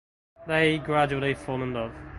They gradually fall in love.